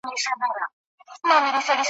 د تور مار له لاسه ډېر دي په ماتم کي `